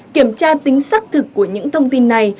kiểm tra tính xác thực của những thông tin này